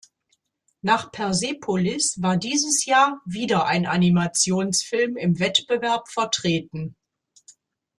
Nach "Persepolis" war dieses Jahr wieder ein Animationsfilm im Wettbewerb vertreten.